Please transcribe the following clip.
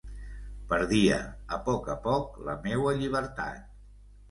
Perdia, a poc a poc, la meua llibertat.